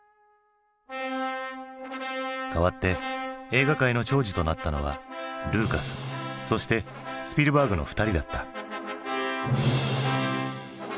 代わって映画界の寵児となったのはルーカスそしてスピルバーグの２人だった。